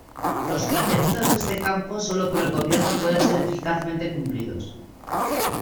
Los preceptos de este campo, solo por el Gobierno pueden ser eficazmente cumplidos.